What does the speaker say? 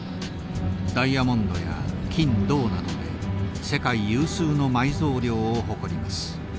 ダイヤモンドや金銅などで世界有数の埋蔵量を誇ります。